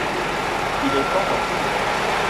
Il est temps d'en finir !